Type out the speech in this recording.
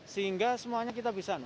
sehingga semuanya kita bisa